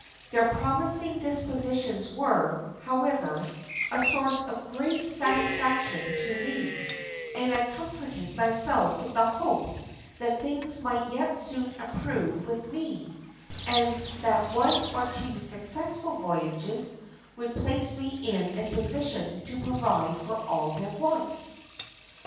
Their promising dispositions were, however, a source of great satisfaction to me, and I comforted myself with the hope that things might yet soon improve with me, and that one or two successful voyages would place me in a position to provide for all their wants.